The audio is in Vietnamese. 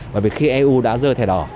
bởi vì khi eu đã rơi thẻ đỏ